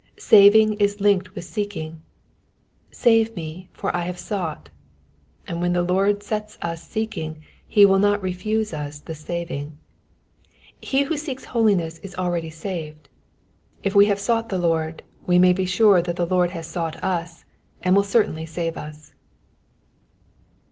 Saving is linked with seeking, save me, for I have sought"; and when the Lord sets us seeking he will not refuse us the saving. He who seeks holiness is already saved : if we have sought the Lord we may be sure that the Lord has sought us, and will certainly save us.